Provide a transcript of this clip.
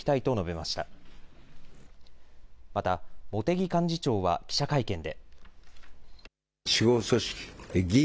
また茂木幹事長は記者会見で。